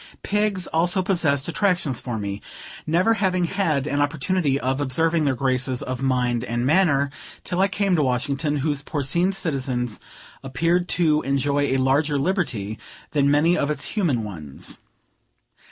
Pigs also possessed attractions for me, never having had an opportunity of observing their graces of mind and manner, till I came to Washington, whose porcine citizens appeared to enjoy a larger liberty than many of its human ones.